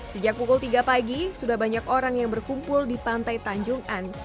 sejak pukul tiga pagi sudah banyak orang yang berkumpul di pantai tanjung an